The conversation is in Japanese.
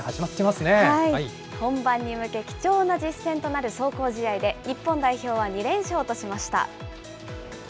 本番に向け、貴重な実戦となる壮行試合で、日本代表は２連勝としました。